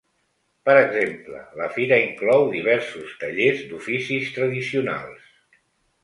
Per exemple, la fira inclou diversos tallers d’oficis tradicionals.